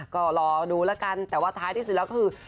ก็รอดูแล้วกันแต่ว่าท้ายที่สุดแล้วคือ